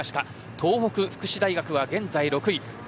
東北福祉大学は現在６位。